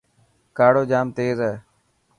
ڪاڙو جام تيز هي.